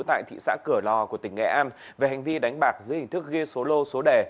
tại thị xã cửa lò của tỉnh nghệ an về hành vi đánh bạc dưới hình thức ghi số lô số đẻ